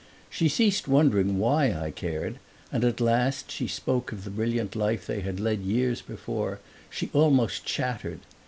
She ceased wondering why I cared, and at last, as she spoke of the brilliant life they had led years before, she almost chattered.